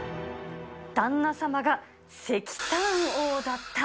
旦那様が石炭王だった。